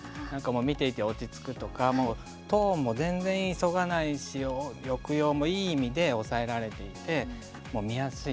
見ていて落ち着くとかトーンも全然、急がないし抑揚もいい意味で抑えられていて見やすい。